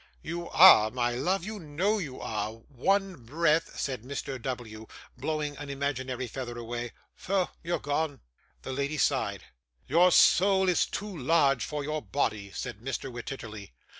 'You are, my love, you know you are; one breath ' said Mr. W., blowing an imaginary feather away. 'Pho! you're gone!' The lady sighed. 'Your soul is too large for your body,' said Mr. Wititterly.